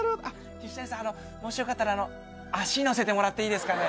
岸谷さんあのもしよかったら足乗せてもらっていいですかね？